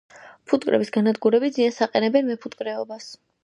ფუტკრების განადგურებით ზიანს აყენებენ მეფუტკრეობას.